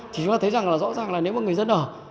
thì chúng ta thấy rằng là rõ ràng là nếu mà người dân ở